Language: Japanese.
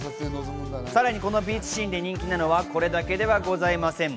さらに、このビーチシーンで人気なのはこれだけではございません。